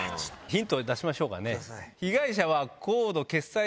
ヒント出しましょうかね。